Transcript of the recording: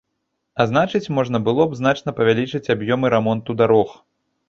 А значыць, можна было б значна павялічыць аб'ёмы рамонту дарог.